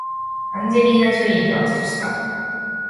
アンジェリーナジョリーと握手した